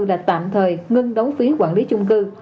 là tạm thời ngưng đóng phí quản lý chung cư